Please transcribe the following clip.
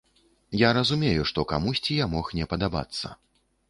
Я разумею, што камусьці я мог не падабацца.